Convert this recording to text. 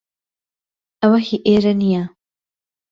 ئەوە هی ئێرە نییە.